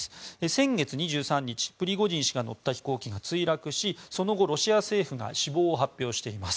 先月２３日プリゴジン氏が乗った飛行機が墜落し、その後ロシア政府が死亡を発表しています。